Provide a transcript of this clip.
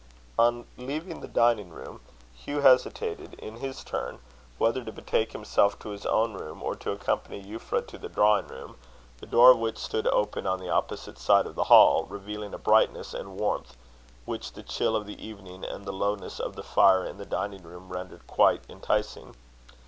On leaving the dining room, Hugh hesitated, in his turn, whether to betake himself to his own room, or to accompany Euphra to the drawing room, the door of which stood open on the opposite side of the hall, revealing a brightness and warmth, which the chill of the evening, and the lowness of the fire in the dining room, rendered quite enticing.